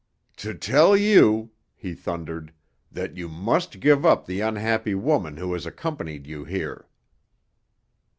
"To tell you," he thundered, "that you must give up the unhappy woman who has accompanied you here."